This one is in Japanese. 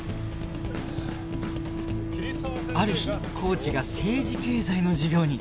ある日コーチが政治経済の授業に！